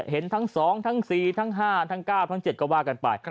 เห็นทั้ง๒ทั้ง๔ทั้ง๕ทั้ง๙ทั้ง๗ก็ว่ากันไป